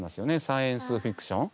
サイエンス・フィクション。